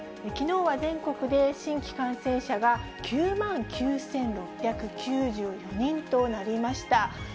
きのうは全国で新規感染者が９万９６９４人となりました。